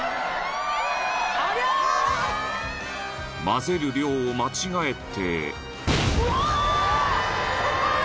［混ぜる量を間違えて］